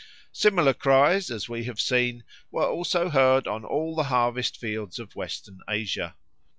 Similar cries, as we have seen, were also heard on all the harvest fields of Western Asia.